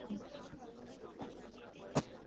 হ্যাঁ অবশ্যই, কিন্তু দ্বিতীয় কন্যা কোথায়?